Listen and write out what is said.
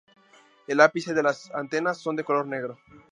El ápice de las antenas son de color negro.